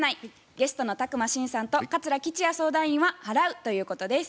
ゲストの宅麻伸さんと桂吉弥相談員は「払う」ということです。